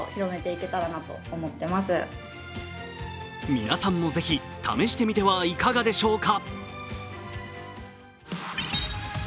皆さんもぜひ試してみてはいかがでしょうか。